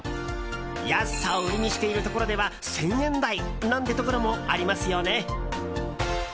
安さを売りにしているところでは１０００円台なんてところもありますよね。